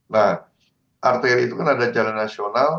nah arteri itu kan ada jalan nasional